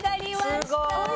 すごい。